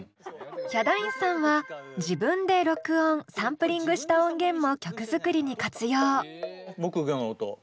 ヒャダインさんは自分で録音・サンプリングした音源も曲作りに活用。